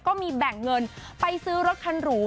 ก็มีแบ่งเงินไปซื้อรถคันหรู